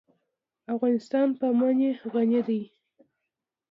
افغانستان په منی غني دی.